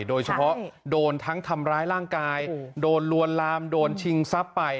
โดยเฉพาะโดนทั้งทำร้ายร่างกายโดนลวนลามโดนชิงทรัพย์ไป